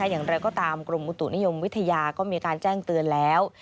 อย่างไรก็ตามกรมอุตุนิยมวิทยาก็มีการแจ้งเตือนแล้ว